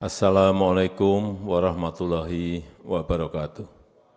assalamu alaikum warahmatullahi wabarakatuh